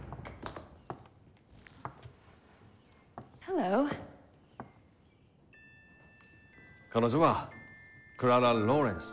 Ｈｅｌｌｏ．彼女はクララ・ローレンス。